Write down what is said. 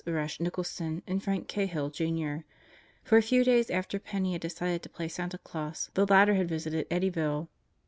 Rush Nicholson and Frank Cahill, Jr.; for a few days after Penney had decided to play Santa Claus, the latter had visited Eddyville.